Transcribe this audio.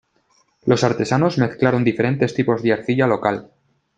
Los artesanos mezclaron diferentes tipos de arcilla local.